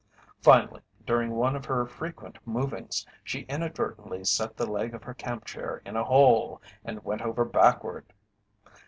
Finally, during one of her frequent movings, she inadvertently set the leg of her camp chair in a hole and went over backward.